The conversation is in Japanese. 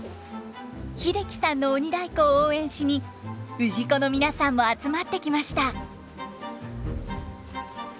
英樹さんの鬼太鼓を応援しに氏子の皆さんも集まってきました。